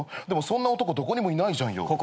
でもそんな男どこにもいないじゃんよ。